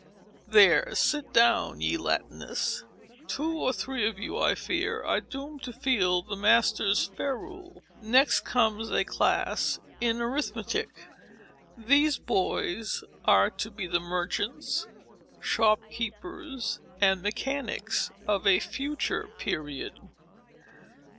There, sit down, ye Latinists. Two or three of you, I fear, are doomed to feel the master's ferule. Next comes a class in Arithmetic. These boys are to be the merchants, shop keepers, and mechanics, of a future period.